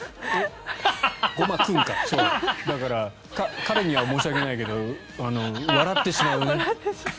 ごま君彼には申し訳ないけど笑ってしまうね。